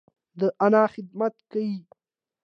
د انا خدمت کيي.